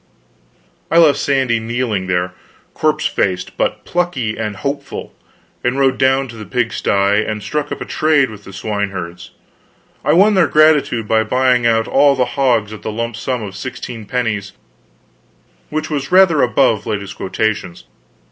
I left Sandy kneeling there, corpse faced but plucky and hopeful, and rode down to the pigsty, and struck up a trade with the swine herds. I won their gratitude by buying out all the hogs at the lump sum of sixteen pennies, which was rather above latest quotations.